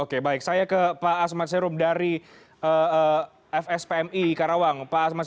oke baik saya ke pak asmat serum dari fspmi karawang pak asmat